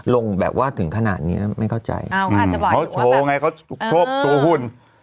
ลงแบบว่าถึงขนาดนี้ไม่เข้าใจอ้าวเขาอาจจะบอกโอ้ไงเขาชอบตัวหุ่น